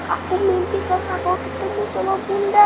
aku mimpi karena aku ketemu sama bunda